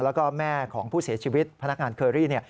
แล้วก็แม่ของผู้เสียชีวิตพนักงานเคอรี่เนี่ย